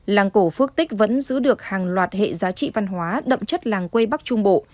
làng cổ phước tích vẫn giữ được hàng loạt hệ giá trị văn hóa đậm chất làng quê bắc trung bộ